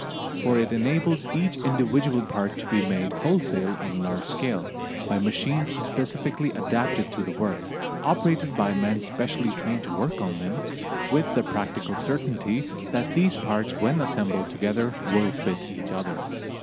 For it enables each individual part to be made wholesale on a large scale, by machines specially adapted to the work, operated by men specially trained to work them, with the practical certainty that these parts when assembled together will fit each other.